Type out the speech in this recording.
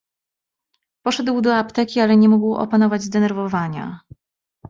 "Poszedł do apteki, ale nie mógł opanować zdenerwowania."